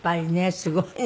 すごいね。